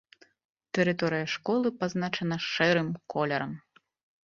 Тэрыторыя школы пазначана шэрым колерам.